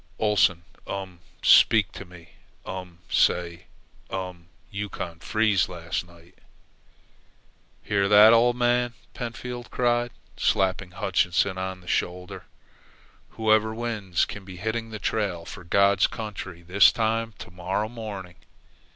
"Oleson um speak to me, um say um Yukon freeze last night." "Hear that, old man!" Pentfield cried, slapping Hutchinson on the shoulder. "Whoever wins can be hitting the trail for God's country this time tomorrow morning!"